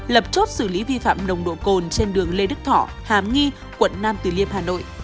lập chốt xử lý vi phạm nồng độ cồn trên đường lê đức thọ hàm nghi quận nam từ liêm hà nội